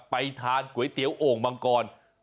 ไปทานก๋วยเตี๋ยวโอ่งมังกร